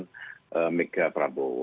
pertama pemegang prabowo